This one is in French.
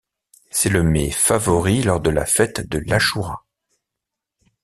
C'est le met favori lors de la fête de l'Achoura.